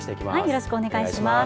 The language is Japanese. よろしくお願いします。